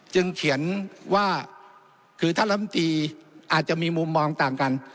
เขียนว่าคือท่านลำตีอาจจะมีมุมมองต่างกัน